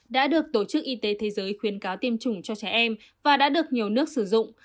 đã được tổ chức y tế thế giới khuyến cáo tiêm chủng cho trẻ em và đã được nhiều nước sử dụng